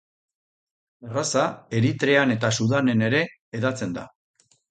Arraza Eritrean eta Sudanen ere hedatzen da.